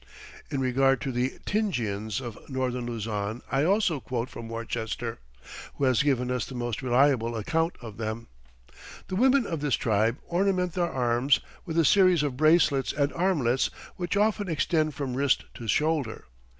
In regard to the Tingians of northern Luzon I also quote from Worcester, who has given us the most reliable account of them: "The women of this tribe ornament their arms with a series of bracelets and armlets, which often extend from wrist to shoulder.